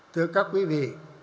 thưa các quý vị